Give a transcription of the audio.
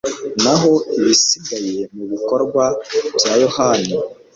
naho ibisigaye mu bikorwa bya yohani